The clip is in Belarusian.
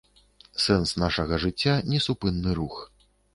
Сэнс нашага жыцця — несупынны рух